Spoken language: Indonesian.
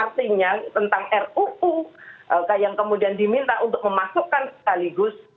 artinya tentang ruu yang kemudian diminta untuk memasukkan sekaligus